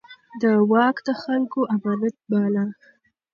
ده واک د خلکو امانت باله.